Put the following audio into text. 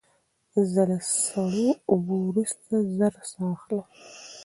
زه له سړو اوبو وروسته ژر ساه اخلم.